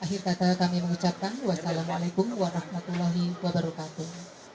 akhir kata kami mengucapkan wassalamualaikum warahmatullahi wabarakatuh